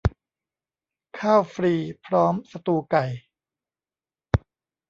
ข้าวฟรีพร้อมสตูว์ไก่